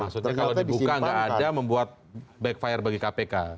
maksudnya kalau dibuka nggak ada membuat backfire bagi kpk